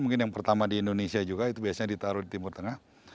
mungkin yang pertama di indonesia juga itu biasanya ditaruh di timur tengah